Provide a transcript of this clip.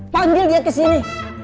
panggil dia ke sini